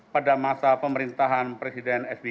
pada masa pemerintahan presiden sbi